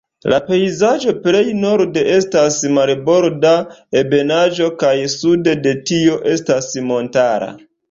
La pejzaĝo plej norde estas marborda ebenaĵo, kaj sude de tio estas montara.